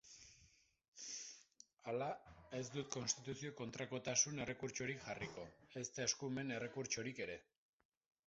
Hala, ez dute konstituzio-kontrakotasun errekurtsorik jarriko, ezta eskumen errekurtsorik ere.